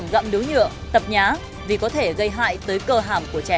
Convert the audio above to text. gặm đứa nhựa tập nhá vì có thể gây hại tới cơ hàm của trẻ